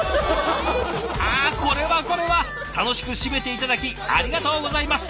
あこれはこれは楽しく締めて頂きありがとうございます。